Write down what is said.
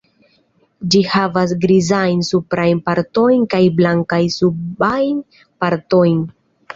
Ĝi havas grizajn suprajn partojn kaj blankajn subajn partojn.